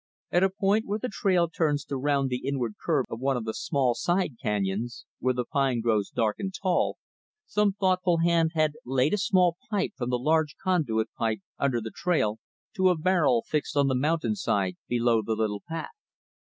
At a point where the trail turns to round the inward curve of one of the small side canyons where the pines grow dark and tall some thoughtful hand had laid a small pipe from the large conduit tunnel, under the trail, to a barrel fixed on the mountainside below the little path.